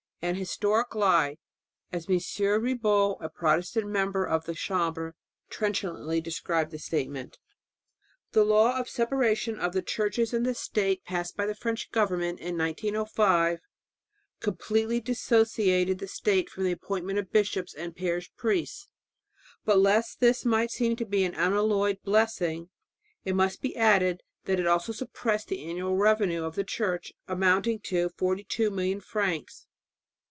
"An historic lie," as M. Ribot, a Protestant member of the Chambre, trenchantly described the statement. The Law of Separation of the Churches and the State, passed by the French government in 1905, completely dissociated the state from the appointment of bishops and parish priests, but, lest this might seem to be an unalloyed blessing, it must be added that it also suppressed the annual revenue of the Church, amounting to 42 million francs.